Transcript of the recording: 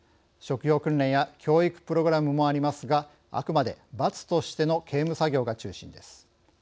職業訓練や教育プログラムもありますが、あくまで罰としての刑務作業が中心です。